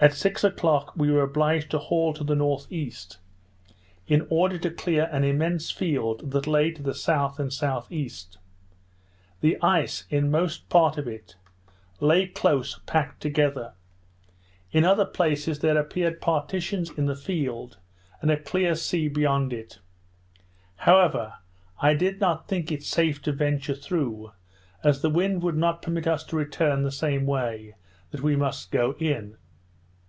At six o'clock, we were obliged to haul to the N.E., in order to clear an immense field that lay to the south and S. E. The ice, in most part of it, lay close packed together; in other places, there appeared partitions in the field, and a clear sea beyond it. However, I did not think it safe to venture through, as the wind would not permit us to return the same way that we must go in.